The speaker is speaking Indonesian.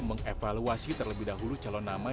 mengevaluasi terlebih dahulu calon nama